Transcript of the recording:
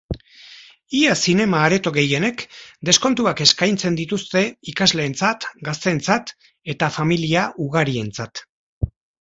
Ia zinema-areto gehienek deskontuak eskaintzen dituzte ikasleentzat, gazteentzat eta familia ugarientzat.